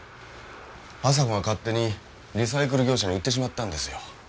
亜沙子が勝手にリサイクル業者に売ってしまったんですよ。